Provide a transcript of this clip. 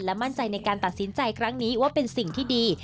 มั่นใจในการตัดสินใจครั้งนี้ว่าเป็นสิ่งที่ดี